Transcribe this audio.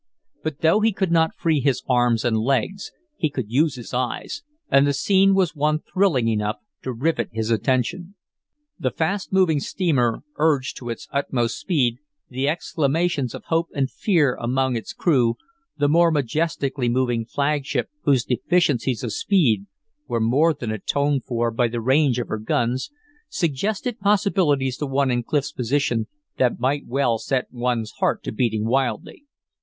But though he could not free his arms and legs, he could use his eyes, and the scene was one thrilling enough to rivet his attention. The fast moving steamer, urged to its utmost speed, the exclamations of hope and fear among its crew, the more majestically moving flagship whose deficiencies of speed were more than atoned for by the range of her guns, suggested possibilities to one in Clif's position that might well set one's heart to beating wildly.